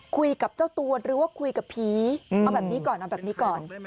คุยกับเจ้าตัวหรือว่าคุยกับผีเอาแบบนี้ก่อนเอาแบบนี้ก่อน